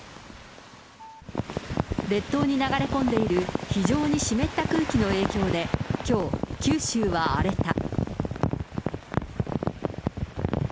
列島に流れ込んでいる非常に湿った空気の影響で、きょう、九州は荒れた。